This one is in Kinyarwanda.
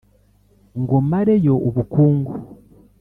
ngo mare yo ubukungu